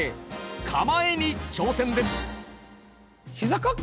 「構え」に挑戦です。